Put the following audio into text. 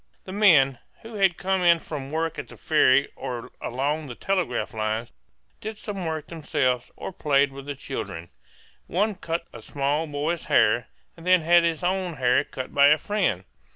The men, who had come in from work at the ferry or along the telegraph lines, did some work themselves, or played with the children; one cut a small boy's hair, and then had his own hair cut by a friend.